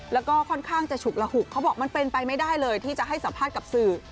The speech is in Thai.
แล้วก็ค่อนข้างจะฉุกระหุกเขาบอกมันเป็นไปไม่ได้เลยที่จะให้สัมภาษณ์กับสื่อ